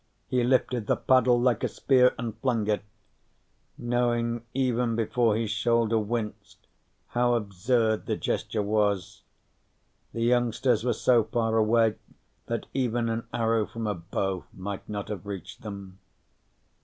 _ He lifted the paddle like a spear and flung it, knowing even before his shoulder winced how absurd the gesture was. The youngsters were so far away that even an arrow from a bow might not have reached them.